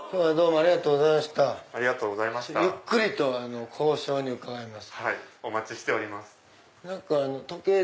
ありがとうございます。